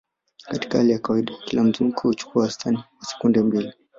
Katika hali ya kawaida, kila mzunguko huchukua wastani wa sekunde mbili.